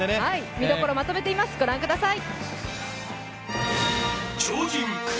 見どころまとめています、ご覧ください。